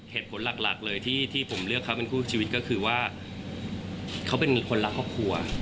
เหตุผลหลักเลยที่ผมเลือกเขาเป็นคู่ชีวิตก็คือว่าเขาเป็นคนรักครอบครัว